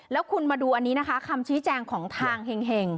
แล้วคุณมาดูอันนี้นะคะคำชี้แจงของทางเห็ง